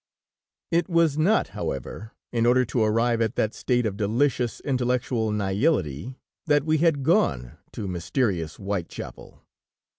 It was not, however, in order to arrive at that state of delicious, intellectual nihility, thai we had gone to mysterious Whitechapel.